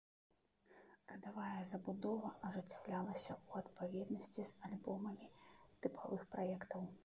Радавая забудова ажыццяўлялася ў адпаведнасці з альбомамі тыпавых праектаў.